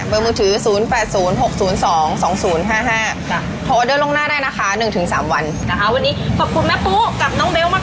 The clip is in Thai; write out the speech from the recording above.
มือถือ๐๘๐๖๐๒๒๐๕๕โทรออเดอร์ลงหน้าได้นะคะ๑๓วันนะคะวันนี้ขอบคุณแม่ปุ๊กับน้องเบลมาก